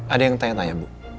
ada yang tanya tanya bu